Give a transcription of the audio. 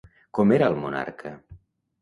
Com era el monarca?